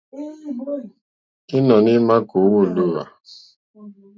Ínɔ̀ní ímà kòówá ô lǒhwà.